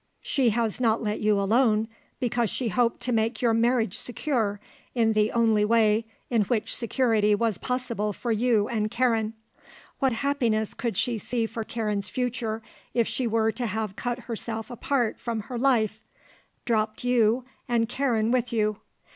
"She has not let you alone because she hoped to make your marriage secure in the only way in which security was possible for you and Karen. What happiness could she see for Karen's future if she were to have cut herself apart from her life; dropped you, and Karen with you?